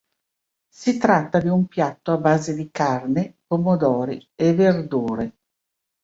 Si tratta di un piatto a base di carne, pomodori e verdure.